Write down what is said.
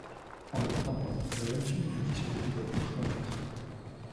En le contemplant, la jeune fille le dissuadait de la vouloir convaincre.